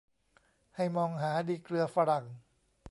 ให้มองหาดีเกลือฝรั่ง